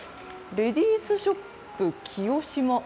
レディースショップキヨシマ？